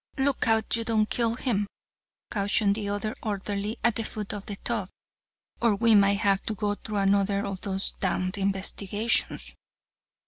"Look out you don't kill him," cautioned the other orderly at the foot of the tub, "or we might have to go through another of those damned investigations."